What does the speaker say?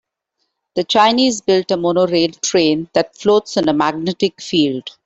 The Chinese built a monorail train that floats on a magnetic field.